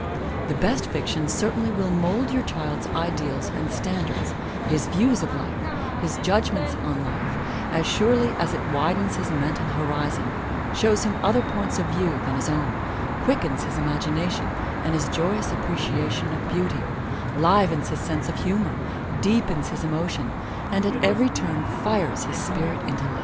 The best fiction certainly will mould your child's ideals and standards, his views of life, his judgments on life, as surely as it widens his mental horizon, shows him other points of view than his own, quickens his imagination and his joyous appreciation of beauty, livens his sense of humor, deepens his emotions, and at every turn fires his spirit into life.